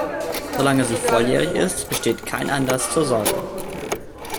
Solange sie volljährig ist, besteht kein Anlass zur Sorge.